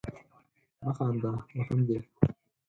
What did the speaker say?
مه خانده ! وهم دي.